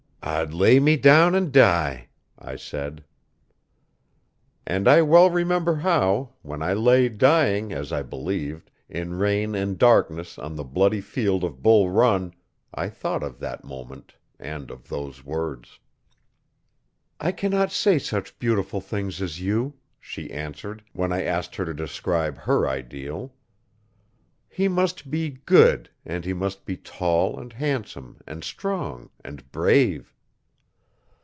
'I'd lay me doun an' dee,' I said. And I well remember how, when I lay dying, as I believed, in rain and darkness on the bloody field of Bull Run, I thought of that moment and of those words. 'I cannot say such beautiful things as you,' she answered, when I asked her to describe her ideal. 'He must be good and he must be tall and handsome and strong and brave.'